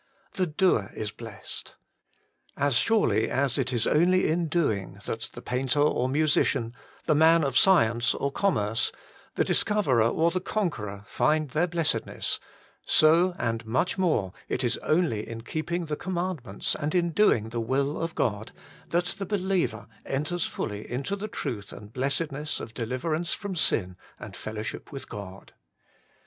The doer is blessed. As surely as it is only in doing that the painter or musi cian, the man of science or commerce, the discoverer or the conqueror find their blessedness, so, and much more, is it only in keeping the commandments and in doing the will of God that the believer enters fully into the truth and blessedness of deliver ance from sin and fellowship with God.